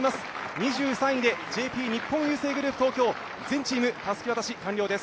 ２３位でＪＰ日本郵政グループ東京、全チームたすき渡し完了です。